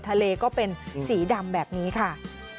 ก็เป็นสีดำแบบนี้ค่ะ